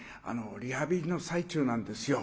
リハビリの最中なんですよ。